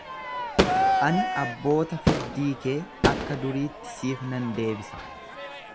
Ani abboota firdii kee akka duriitti siif nan deebisa.